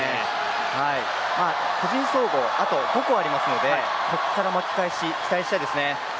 個人総合、あと５個ありますので、ここから巻き返しを期待したいですね。